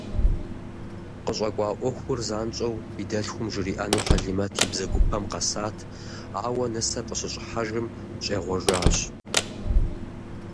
КъыщӀэкӀуа Ӏуэхур занщӀэу и дэлъхум жриӀэну Хьэлимэт и бзэгупэм къэсат, ауэ, нысэр къыщыщӀыхьэжым, щӀегъуэжащ.